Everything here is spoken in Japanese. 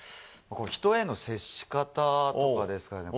人への接し方とかですかね。